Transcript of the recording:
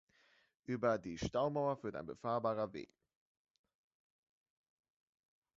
Über die Staumauer führt ein befahrbarer Weg.